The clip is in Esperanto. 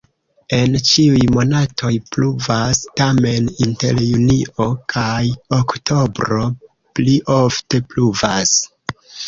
En ĉiuj monatoj pluvas, tamen inter junio kaj oktobro pli ofte pluvas.